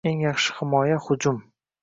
Eng yaxshi himoya - hujum!